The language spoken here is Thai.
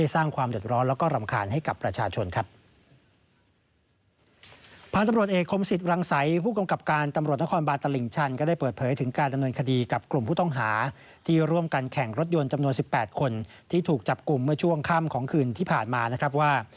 รถยนต์จำนวน๑๘คนที่ถูกจับกลุ่มเมื่อช่วงค่ำของคืนที่ผ่านมานะครับว่า